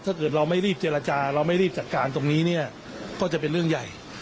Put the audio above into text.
ถ้าเกิดเราไม่รีบเจรจาเราไม่รีบจัดการตรงนี้เนี่ยก็จะเป็นเรื่องใหญ่